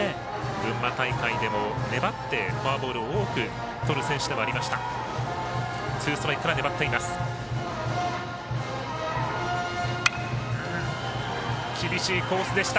群馬大会でも粘ってフォアボール多くとる選手でもありました。